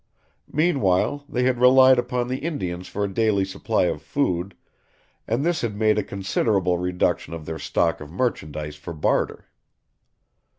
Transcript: Meanwhile, they had relied upon the Indians for a daily supply of food, and this had made a considerable reduction of their stock of merchandise for barter.